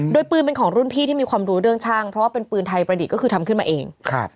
โดยปืนเป็นของรุ่นพี่ที่มีความรู้เรื่องช่างเพราะว่าเป็นปืนไทยประดิษฐ์ก็คือทำขึ้นมาเอง